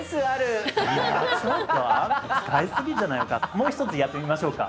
もう一つやってみましょうか。